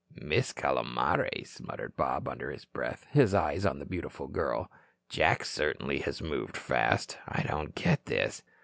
"Miss Calomares?" muttered Bob, under his breath, his eyes on the beautiful girl. "Jack certainly has moved fast. I don't get this."